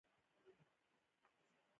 د وزیرو اتن ځانګړی حرکت لري.